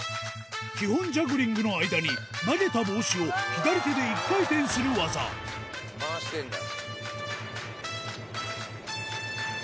基本ジャグリングの間に投げた帽子を左手で一回転する技回してるんだ。